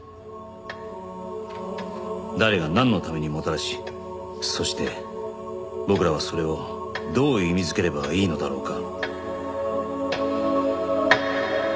誰がなんのためにもたらしそして僕らはそれをどう意味づければいいのだろうか